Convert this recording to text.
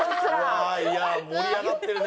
うわー盛り上がってるね。